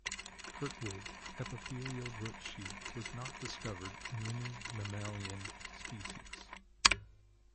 Hertwig epithelial root sheath was not discovered in any mammalian species.